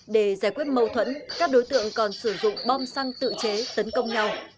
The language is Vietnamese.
để giải quyết mâu thuẫn các đối tượng còn sử dụng bom xăng tự chế tấn công nhau